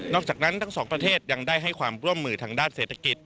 อกจากนั้นทั้งสองประเทศยังได้ให้ความร่วมมือทางด้านเศรษฐกิจ